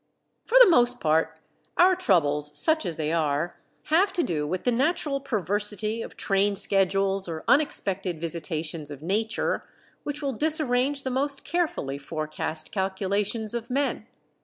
For the most part our troubles, such as they are, have to do with the natural perversity of train schedules, or unexpected visitations of Nature which will disarrange the most carefully forecast calculations of men.